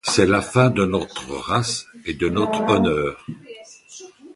C'est la fin de notre race et de notre honneur.